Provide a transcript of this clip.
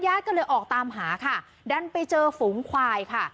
ญาติก็เลยออกตามหาค่ะดันไปเจอฝูงควายค่ะ